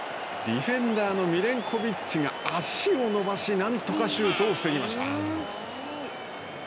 ディフェンダーのミレンコビッチが足を伸ばしなんとかシュートを防ぎました。